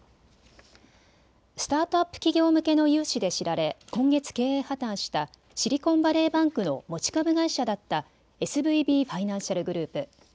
スタートアップ企業向けの融資で知られ今月経営破綻したシリコンバレーバンクの持ち株会社だったＳＶＢファイナンシャルグループ。